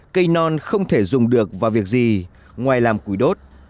cây non không thể dùng được vào việc gì ngoài làm củi đốt